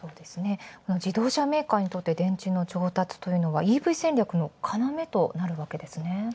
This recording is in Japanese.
自動車メーカーにとっての電池の調達というのはＥＶ戦略のかなめとなるわけですね。